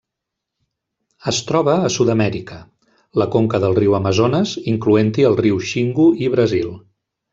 Es troba a Sud-amèrica: la conca del riu Amazones, incloent-hi el riu Xingu i Brasil.